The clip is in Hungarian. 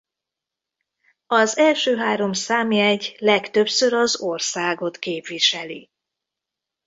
Az első három számjegy legtöbbször az országot képviseli.